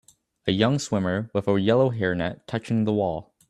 A young swimmer with a yellow hairnet touching the wall